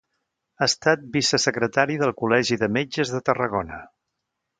Ha estat vicesecretari del Col·legi de Metges de Tarragona.